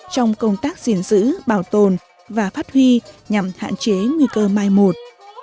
trong công tác gìn giữ bảo tồn và phát huy nhằm hạn chế nguy cơ mai một